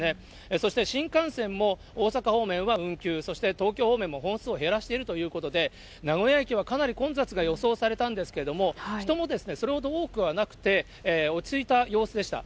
そして、新幹線も大阪方面は運休、そして東京方面も本数を減らしているということで、名古屋駅はかなり混雑が予想されたんですが、人もそれほど多くはなくて、落ち着いた様子でした。